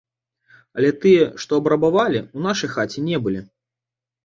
Але тыя, што абрабавалі, у нашай хаце не былі.